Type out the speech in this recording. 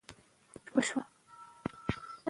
د ده مینه ډېره ژوره او رښتینې وه.